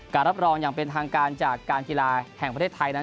รับรองอย่างเป็นทางการจากการกีฬาแห่งประเทศไทยนั้น